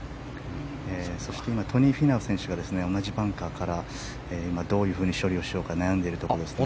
そして、今トニー・フィナウ選手が同じバンカーからどういうふうに処理しようか悩んでいるところですね。